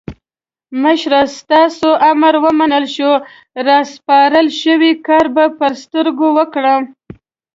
مشره تاسو امر ومنل شو؛ راسپارل شوی کار به پر سترګو وکړم.